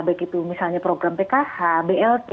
baik itu misalnya program pkh blt